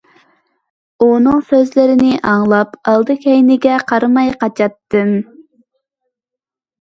ئۇنىڭ سۆزلىرىنى ئاڭلاپ ئالدى- كەينىمگە قارىماي قاچاتتىم.